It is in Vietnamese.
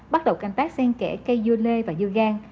bắt đầu canh tác xen kẻ cây dưa lê và dưa gan